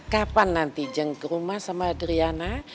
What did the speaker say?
kapan nanti jeng ke rumah sama adriana